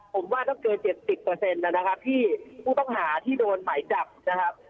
ผมว่าต้องเกิดเจ็บสิบเปอร์เซ็นต์แล้วนะครับที่ผู้ภาคหาที่โดนไหมจับนะครับ